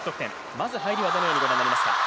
まず入りはどのようにご覧になりますか？